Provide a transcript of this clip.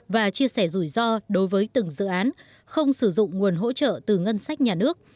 và chia sẻ rủi ro đối với từng dự án không sử dụng nguồn hỗ trợ từ ngân sách nhà nước